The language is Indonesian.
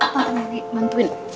tante mau dimantuin